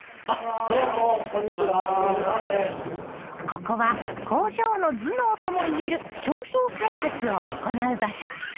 ここは工場の頭脳ともいえる商品開発を行う場所。